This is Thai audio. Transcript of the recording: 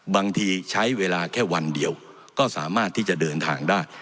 บางทีใช้เวลาแค่วันเดียวก็สามารถที่จะเดินทางได้